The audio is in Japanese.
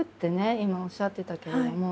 今おっしゃってたけども。